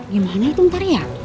gimana itu ntar ya